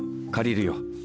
借りるよ。